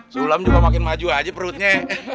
sulam juga makin maju aja perutnya